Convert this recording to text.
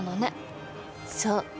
そう。